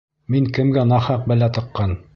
Мин кемгә нахаҡ бәлә таҡҡан?